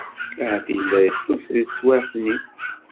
Ahat yella yeṭṭes deg teswiɛt-nni.